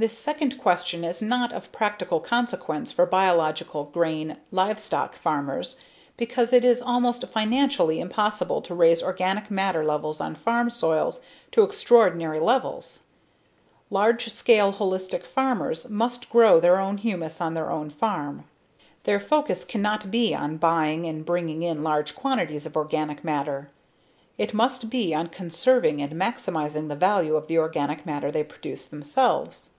This second question is not of practical consequence for biological grain/livestock farmers because it is almost financially impossible to raise organic matter levels on farm soils to extraordinary amounts. Large scale holistic farmers must grow their own humus on their own farm. Their focus cannot be on buying and bringing in large quantities of organic matter; it must be on conserving and maximizing the value of the organic matter they produce themselves.